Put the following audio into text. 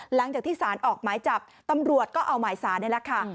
หลังจากที่สารออกหมายจับตำรวจก็เอาหมายสารนี่แหละค่ะ